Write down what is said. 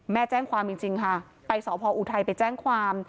แจ้งความจริงค่ะไปสพออุทัยไปแจ้งความ